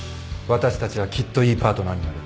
私たちはきっといいパートナーになれる。